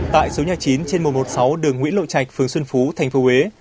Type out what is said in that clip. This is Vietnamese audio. tại số nhà chín trên mùa một mươi sáu đường nguyễn lộ trạch phường xuân phú thành phố huế